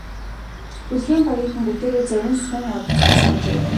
Хөлгийн багийнхан бүгдээрээ завинд суун одоцгоосон ажээ.